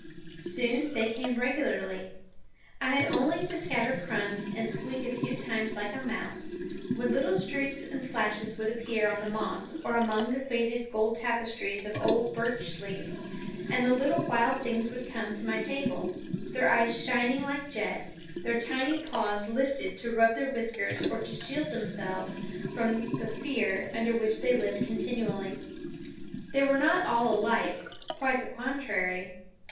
Soon they came regularly. I had only to scatter crumbs and squeak a few times like a mouse, when little streaks and flashes would appear on the moss or among the faded gold tapestries of old birch leaves, and the little wild things would come to my table, their eyes shining like jet, their tiny paws lifted to rub their whiskers or to shield themselves from the fear under which they lived continually. They were not all alike quite the contrary.